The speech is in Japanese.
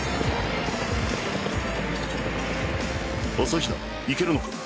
朝日奈いけるのか？